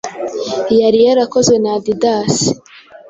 yari yarakozwe na Adidas